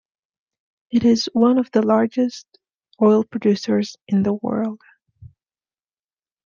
It is one of the larges oil producers in the world.